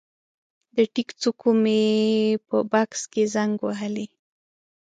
د ټیک څوکو مې په بکس کې زنګ وهلی